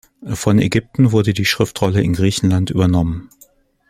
Von Ägypten wurde die Schriftrolle in Griechenland übernommen.